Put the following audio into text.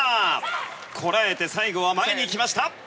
こらえて、最後は前に来ました！